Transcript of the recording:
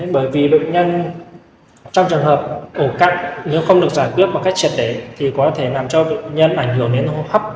bởi vì bệnh nhân trong trường hợp ổ cặn nếu không được giải quyết một cách triệt để thì có thể làm cho bệnh nhân ảnh hưởng đến hô hấp